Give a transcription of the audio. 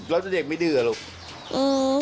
แล้วถ้าเด็กไม่ดื่มล่ะลูก